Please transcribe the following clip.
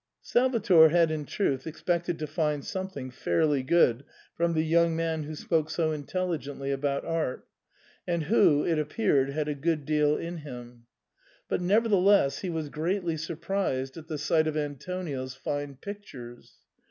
Salvator had in truth expected to find something fairly good from the young man who spoke so intelli gently about art, and who, it appeared, had a good deal in him ; but nevertheless he was greatly surprised at the sight of Antonio's fine pictures.